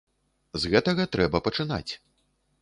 З гэтага трэба пачынаць.